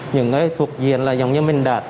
những người thuộc diện là giống như mình đã